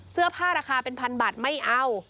เสื้อผ้าราคาเป็นพันบาทไม่เอา